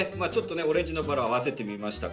オレンジのバラを合わせてみました。